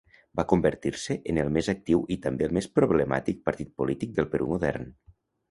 Va convertir-se en el més actiu i també el més problemàtic partit polític del Perú modern.